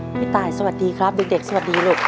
ครอบครัวของแม่ตายจากจังหวัดเชียงใหม่อยู่ที่นี่แหละครับ